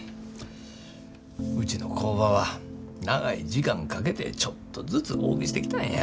うちの工場は長い時間かけてちょっとずつ大きしてきたんや。